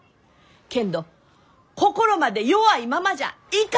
けんど心まで弱いままじゃいかん！